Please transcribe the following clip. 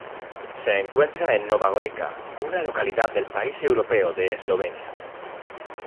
Se encuentra en Nova Gorica, una localidad del país europeo de Eslovenia.